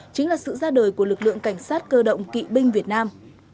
chính là sự ra đời của lực lượng cảnh sát cơ động kỵ binh việt nam